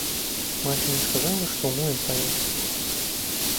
Маці мне сказала, што ў млын павёз.